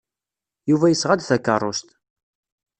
Yuba yesɣa-d takeṛṛust.